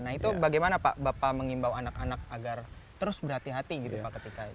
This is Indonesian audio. nah itu bagaimana pak bapak mengimbau anak anak agar terus berhati hati gitu pak ketika itu